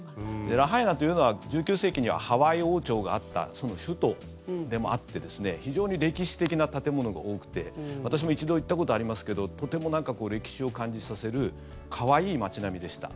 ラハイナというのは１９世紀にはハワイ王朝があった首都でもあって非常に歴史的な建物が多くて私も一度行ったことありますけどとても歴史を感じさせる可愛い街並みでした。